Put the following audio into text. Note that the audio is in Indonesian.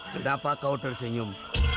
kenapa kau tersenyum